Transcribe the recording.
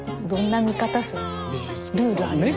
どんな見方する？